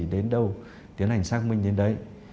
đến đâu tiến hành xác minh đến đấy